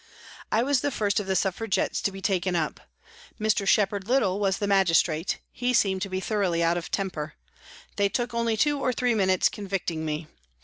I was the first of the Suffragettes to be taken up. Mr. Shepherd Little was the magistrate ; he seemed to be thoroughly out of temper. They took only two or three minutes convicting me.